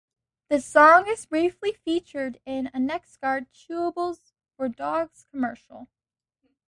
The song is briefly featured in a Nexgard Chewables for Dogs commercial.